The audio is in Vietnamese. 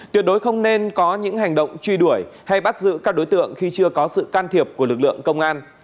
tuyệt đối không nên có những hành động truy đuổi hay bắt giữ các đối tượng khi chưa có sự can thiệp của lực lượng công an